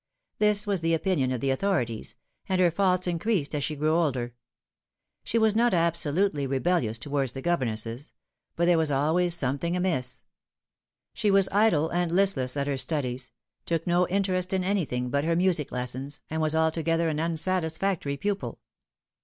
This was the opinion of the authorities ; and her faults increased as she grew older. She was not absolutely rebellious towards the governesses ; but there was always something amiss. She was idle and listless at her studies, took no interest in anything but her music lessons, and was altogether an unsatisfactory pupil.